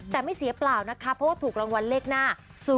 แต่ไม่เสียเปล่านะคะเพราะว่าถูกรางวัลเลขหน้า๐๔